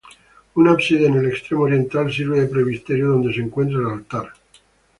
Un ábside en el extremo oriental sirve de presbiterio, donde se encuentra el altar.